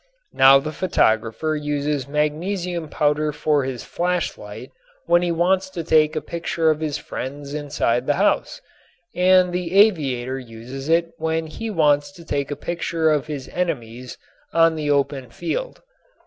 Now the photographer uses magnesium powder for his flashlight when he wants to take a picture of his friends inside the house, and the aviator uses it when he wants to take a picture of his enemies on the open field.